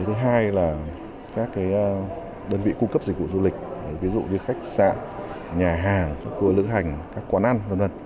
thứ hai là các đơn vị cung cấp dịch vụ du lịch ví dụ như khách sạn nhà hàng cơ lựa hành các quán ăn